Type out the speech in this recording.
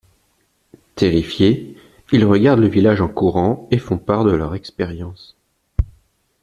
Terrifiés, ils regagnent le village en courant et font part de leur expérience.